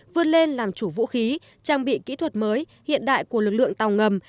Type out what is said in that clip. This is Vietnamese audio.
vươn lên làm chủ vũ khí trang bị kỹ thuật mới hiện đại của lực lượng tàu ngầm